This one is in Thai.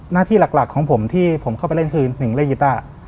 หน้าที่หลักของผมที่ผมเข้าไปเล่นคือ๑เล่นกีต้า